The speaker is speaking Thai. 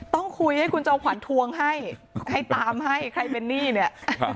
ต้องคุยให้คุณจอมขวัญทวงให้ให้ตามให้ใครเป็นหนี้เนี่ย